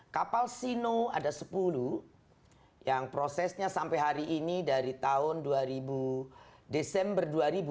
kapal sino ada sepuluh yang prosesnya sampai hari ini dari tahun desember dua ribu empat belas